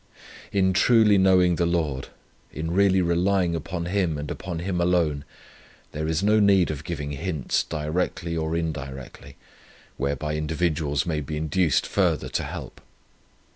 In truly knowing the Lord, in really relying upon Him and upon Him alone, there is no need of giving hints directly or indirectly, whereby individuals may be induced further to help.